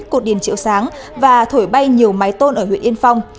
cột điền triệu sáng và thổi bay nhiều máy tôn ở huyện yên phong